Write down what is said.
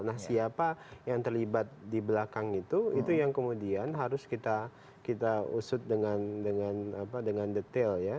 nah siapa yang terlibat di belakang itu itu yang kemudian harus kita usut dengan detail ya